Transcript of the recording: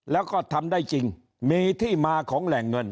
แล้วก็ทำได้จริงมีที่มาของแหล่งเงิน